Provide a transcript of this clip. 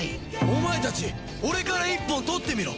お前たち俺から一本取ってみろ。